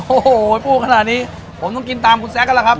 โอ้โหพูดขนาดนี้ผมต้องกินตามคุณแซคกันแล้วครับ